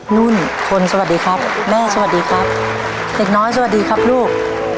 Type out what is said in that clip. นุ่นคนสวัสดีครับแม่สวัสดีครับเด็กน้อยสวัสดีครับลูก